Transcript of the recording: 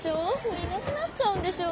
いなくなっちゃうんでしょ？